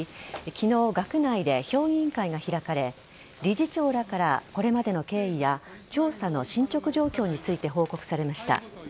昨日、学内で評議員会が開かれ理事長らから、これまでの経緯や調査の進捗状況について報告されました。